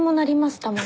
たまに。